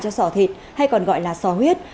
cho sò thịt hay còn gọi là sò huyết